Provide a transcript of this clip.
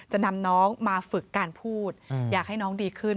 จะนำน้องมาฝึกการพูดอยากให้น้องดีขึ้น